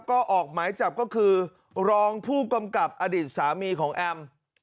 ก็ออกหมายจับก็คือรองผู้กำกับอดีตสามีของแอม